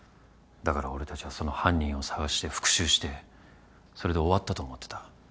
だから俺たちはその犯人を捜して復讐してそれで終わったと思ってた